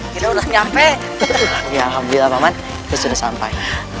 kita sudah sampai ya alhamdulillah paman sudah sampai